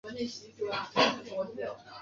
他也是麒麟阁十一功臣之一。